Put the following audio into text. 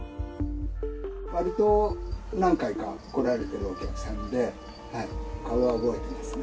わりと、何回か来られてるお客さんで、顔は覚えてますね。